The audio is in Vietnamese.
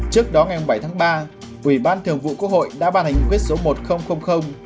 trước đó ngày bảy tháng ba ủy ban thường vụ quốc hội đã ban hành quyết số một nghìn